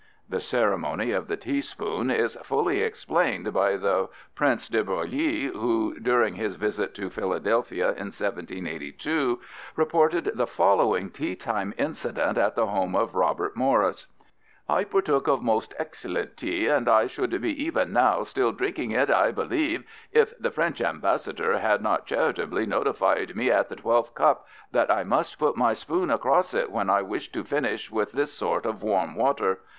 The ceremony of the teaspoon is fully explained by the Prince de Broglie who, during his visit to Philadelphia in 1782, reported the following teatime incident at the home of Robert Morris: I partook of most excellent tea and I should be even now still drinking it, I believe, if the [French] Ambassador had not charitably notified me at the twelfth cup, that I must put my spoon across it when I wished to finish with this sort of warm water.